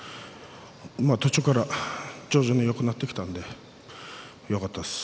途中から徐々によくなってきたんでよかったです。